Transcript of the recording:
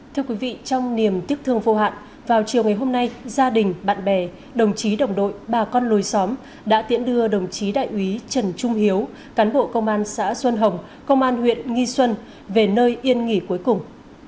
thưa quý vị trong niềm tiếc thương vô hạn vào chiều ngày hôm nay gia đình bạn bè đồng chí đồng đội bà con lối xóm đã tiễn đưa đồng chí đại úy trần trung hiếu cán bộ công an xã xuân hồng công an huyện nghi xuân về nơi yên nghỉ cuối cùng